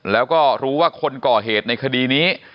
แล้วก็รู้ว่าคนก่อเหตุในคดีนี้